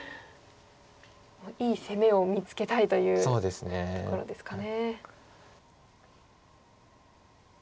いい攻めを見つけたいというところですかね。